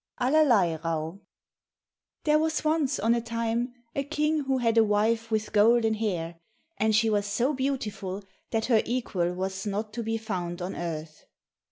65 Allerleirauh There was once on a time a King who had a wife with golden hair, and she was so beautiful that her equal was not to be found on earth.